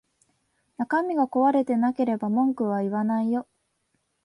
中身が壊れてなければ文句は言わないよ